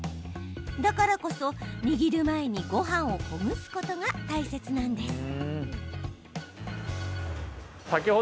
だからこそ握る前に、ごはんをほぐすことが大切なんです。